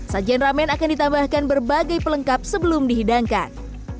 sajian ramen akan ditambahkan berbagai pelengkap sebelum dihidangkan